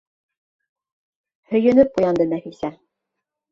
Һөйөнөп уянды Нәфисә.